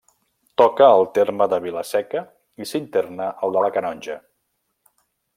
Toca al terme de Vila-seca i s'interna al de La Canonja.